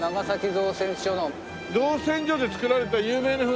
造船所で造られた有名な船